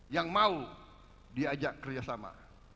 yang mau diajak kerjasama